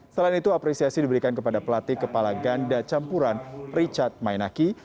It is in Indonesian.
selain itu apresiasi diberikan kepada pelatih kepala ganda campuran richard mainaki